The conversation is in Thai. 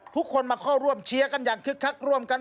ทุกคนมาเข้าร่วมเชียร์กันอย่างคึกคักร่วมกัน